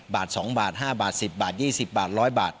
บาท๒บาท๕บาท๑๐บาท๒๐บาท๑๐๐บาท